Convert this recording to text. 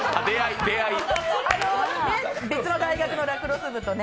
別の大学のラクロス部とね。